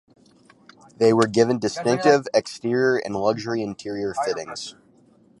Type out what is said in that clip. They were given distinctive exterior and luxury interior fittings.